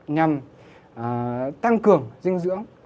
nhằm tăng cường dinh dưỡng